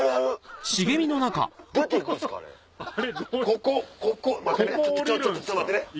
ここここちょっと待ってね。